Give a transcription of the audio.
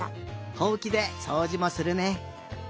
ほうきでそうじもするね。